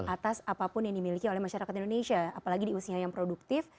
atas apapun yang dimiliki oleh masyarakat indonesia apalagi di usia yang produktif